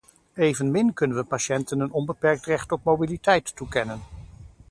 Evenmin kunnen we patiënten een onbeperkt recht op mobiliteit toekennen.